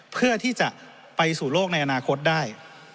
เพื่อที่จะไปสู่โลกในอนาคตได้